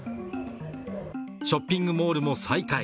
ショッピングモールも再開。